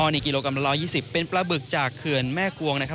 นี่กิโลกรัมละ๑๒๐เป็นปลาบึกจากเขื่อนแม่กวงนะครับ